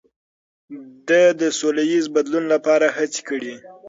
ده د سولهییز بدلون لپاره هڅې کړي.